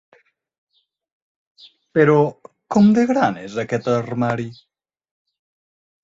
Però, com de gran és aquest armari?